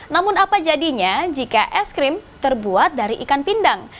namun apa jadinya jika eskrim terbuat dari ikan pindang